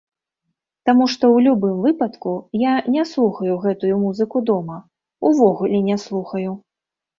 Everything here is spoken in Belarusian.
Таму што ў любым выпадку я не слухаю гэтую музыку дома, увогуле не слухаю.